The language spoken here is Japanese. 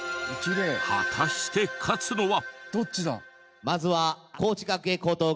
果たして勝つのは。